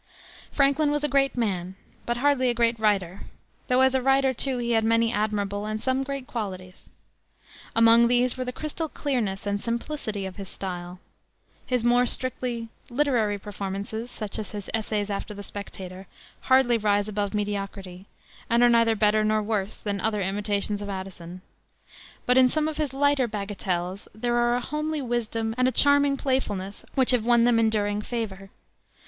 Franklin was a great man, but hardly a great writer, though as a writer, too, he had many admirable and some great qualities. Among these were the crystal clearness and simplicity of his style. His more strictly literary performances, such as his essays after the Spectator, hardly rise above mediocrity, and are neither better nor worse than other imitations of Addison. But in some of his lighter bagatelles there are a homely wisdom and a charming playfulness which have won them enduring favor.